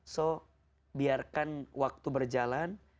jadi biarkan waktu berjalan